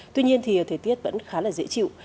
tuy nhiên thì thời tiết vẫn khá là dễ chịu